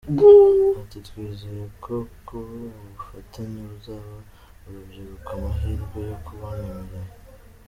Ati “Twizeye ko ubu bufatanye buzaha urubyiruko amahirwe yo kubona imirimo.